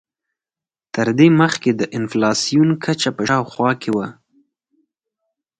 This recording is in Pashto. تر دې مخکې د انفلاسیون کچه په شاوخوا کې وه.